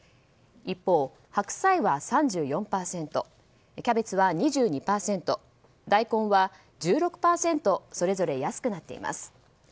一方、白菜は３４％キャベツは２２％、大根は１６％それぞれ安くなっています。